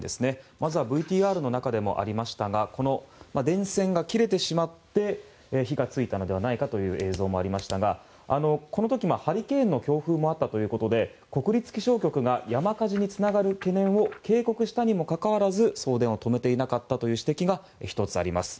まずＶＴＲの中でもありましたがこの電線が切れてしまって火が付いたのではないかという映像もありましたがこの時、ハリケーンの強風もあったということで国立気象局が山火事につながる懸念を警告したにもかかわらず送電を止めていなかったという指摘が１つ、あります。